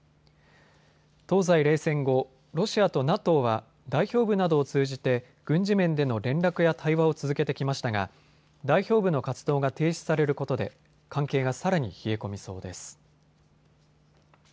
東西冷戦後、ロシアとＮＡＴＯは代表部などを通じて軍事面での連絡や対話を続けてきましたが代表部の活動が停止されることで関係がさらに冷え込みそうです。